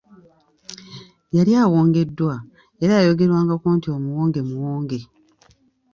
Yali awongeddwa era yayogerwangako nti omuwonge Muwonge.